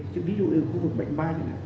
chứ ví dụ như khu vực bệnh bay này